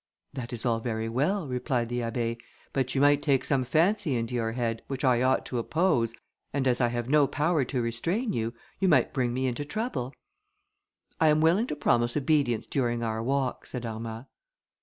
"That is all very well," replied the Abbé; "but you might take some fancy into your head, which I ought to oppose, and as I have no power to restrain you, you might bring me into trouble." "I am willing to promise obedience during our walk," said Armand.